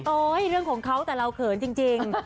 เรื่องของเขาแต่เราเขินจริง